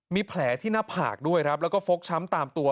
มีแผลที่หน้าผากด้วยครับแล้วก็ฟกช้ำตามตัว